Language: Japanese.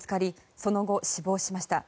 その後、死亡しました。